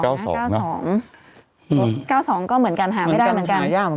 เก้าสองเก้าสองก็เหมือนกันหาไม่ได้เหมือนกันเหมือนกันหายาก